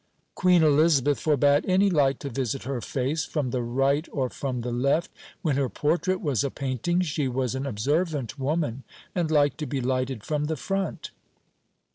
Queen Elizabeth forbade any light to visit her face "from the right or from the left" when her portrait was a painting. She was an observant woman, and liked to be lighted from the front.